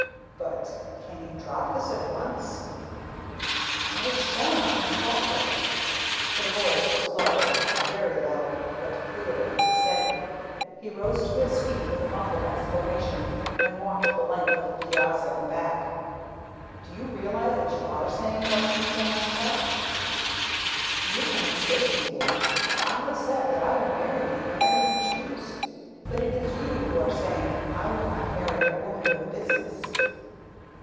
"But can you drop this at once?" "I shall not drop it." Her voice was low, very low, but clear and steady. He rose to his feet with a muffled exclamation, and walked the length of the piazza and back. "Do you realize that you are saying no to me, Diantha?" "You are mistaken, dear. I have said that I will marry you whenever you choose. But it is you who are saying, 'I will not marry a woman with a business.'"